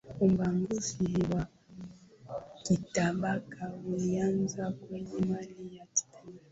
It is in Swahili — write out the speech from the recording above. ubaguzi wa kitabaka ulianza kwenye meli ya titanic